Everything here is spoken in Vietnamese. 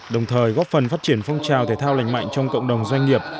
đồng thời góp phần phát triển phong trào thể thao lành mạnh trong cộng đồng doanh nghiệp